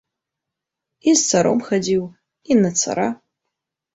І з царом хадзіў, і на цара.